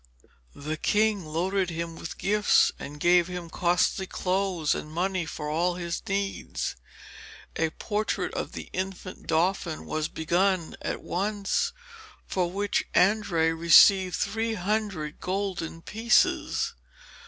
The king loaded him with gifts, and gave him costly clothes and money for all his needs. A portrait of the infant Dauphin was begun at once, for which Andrea received three hundred golden pieces.